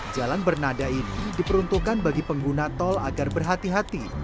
jalan bernada ini diperuntukkan bagi pengguna tol agar berhati hati